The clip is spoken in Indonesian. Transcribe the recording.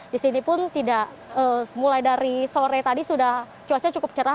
di sini pun tidak mulai dari sore tadi sudah cuaca cukup cerah